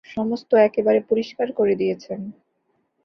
সমস্ত একেবারে পরিষ্কার করে দিয়েছেন।